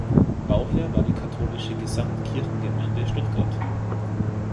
Bauherr war die katholische Gesamtkirchengemeinde Stuttgart.